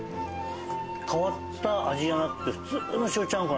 変わった味じゃなくて普通の塩ちゃんこなの。